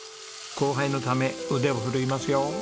後輩のため腕を振るいますよ。